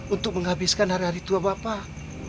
untuk menghabiskan hari hari tua bapak